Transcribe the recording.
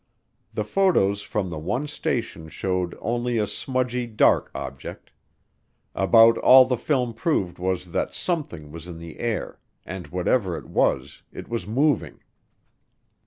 The photos from the one station showed only a smudgy dark object. About all the film proved was that something was in the air and whatever it was, it was moving.